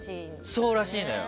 そうらしいのよ。